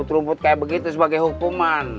kalau rumput kaya begitu sebagai hukuman